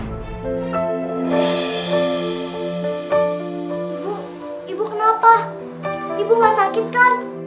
ibu ibu kenapa ibu gak sakit kan